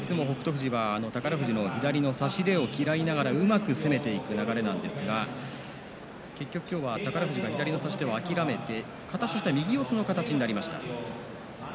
富士は宝富士の左の差し手を嫌いながらうまく攻めていく流れなんですが結局、今日は宝富士が左の差し手を諦めて形としては右四つの形となりました。